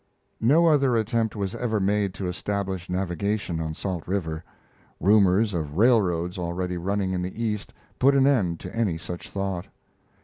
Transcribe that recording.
] No other attempt was ever made to establish navigation on Salt River. Rumors of railroads already running in the East put an end to any such thought.